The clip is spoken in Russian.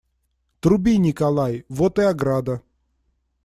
Труби, Николай, вот и ограда.